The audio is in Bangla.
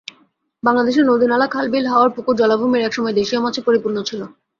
বাংলাদেশের নদী-নালা, খাল-বিল, হাওর, পুকুর, জলাভূমি একসময় দেশীয় মাছে পরিপূর্ণ ছিল।